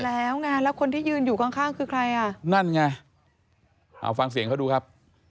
แล้วไงแล้วคนที่ยืนอยู่ข้างข้างคือใครอ่ะนั่นไงเอาฟังเสียงเขาดูครับ